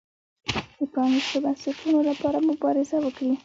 د پرانیستو بنسټونو لپاره مبارزه وکړي.